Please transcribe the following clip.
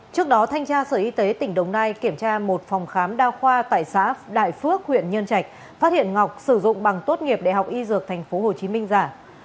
trước đó thanh tra sở y tế tỉnh đồng nai kiểm tra một phòng khám đa khoa tại xã đại phước huyện nhân trạch phát hiện ngọc sử dụng bằng tốt nghiệp đại học y dược tp hcm giả